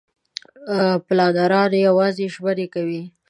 پلانران یوازې ژمنې کوي.